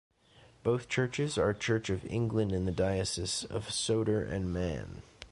Both churches are Church of England in the Diocese of Sodor and Man.